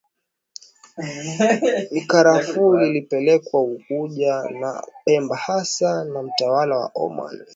Mikarafuu ilipelekwa Unguja na Pemba hasa na mtawala wa Omani